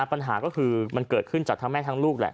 ปัญหาก็คือมันเกิดขึ้นจากทั้งแม่ทั้งลูกแหละ